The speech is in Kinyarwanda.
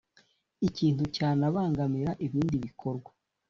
ikintu cyanabangamira ibindi bikorwa